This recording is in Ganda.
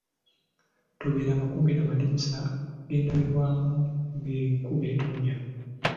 Tobeeranga kumpi n'amadirisa g'endabirwamu ng'enkuba etonnya.